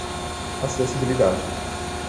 acessibilidade